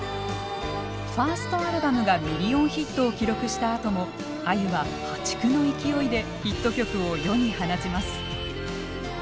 ファーストアルバムがミリオンヒットを記録したあともあゆは破竹の勢いでヒット曲を世に放ちます。